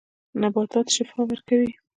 نباتات شفاء ورکوي.